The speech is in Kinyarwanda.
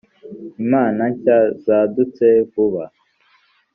imana nshya zadutse vuba